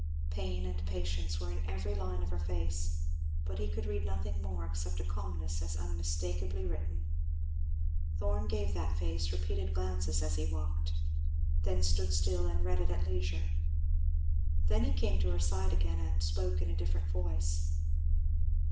Pain and patience were in every line of her face, but he could read nothing more, except a calmness as unmistakably written. Thorn gave that face repeated glances as he walked, then stood still and read it at leisure. Then he came to her side again and spoke in a different voice.